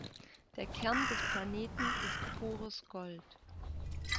Der Kern des Planeten ist pures Gold.